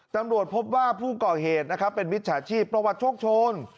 ตำรวจพบว่าผู้ก่อเหตุนะครับเป็นมิจฉาชีพประวัติโชคโชน